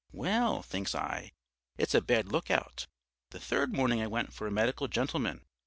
Well, thinks I, it's a bad look out! The third morning I went for a medical gentleman.